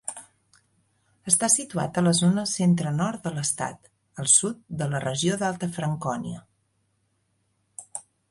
Està situat a la zona centre-nord de l'estat, al sud de la regió d'Alta Francònia.